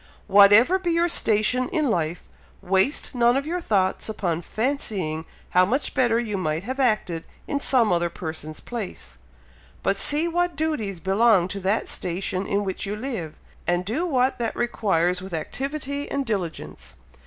Whatever be your station in life, waste none of your thoughts upon fancying how much better you might have acted in some other person's place, but see what duties belong to that station in which you live, and do what that requires with activity and diligence.